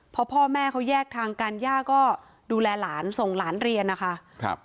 พอพ่อแม่เขาแยกทางกันย่าก็ดูแลหลานส่งหลานเรียนนะคะ